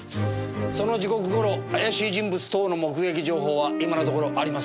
その時刻頃怪しい人物等の目撃情報は今のところありません。